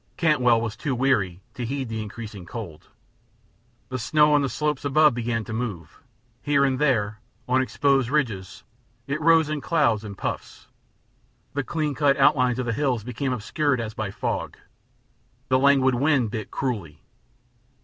Cantwell was too weary to heed the increasing cold. The snow on the slopes above began to move; here and there, on exposed ridges, it rose in clouds and puffs; the cleancut outlines of the hills became obscured as by a fog; the languid wind bit cruelly.